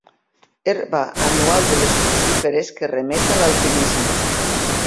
Herba anual de les crucíferes que remet a l'alpinisme.